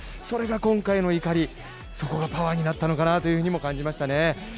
それが今回の怒り、そこがパワーになったのかなとも感じましたね。